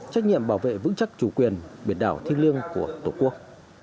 trách nhiệm bảo vệ vững chắc chủ quyền biển đảo thiên liêng của tổ quốc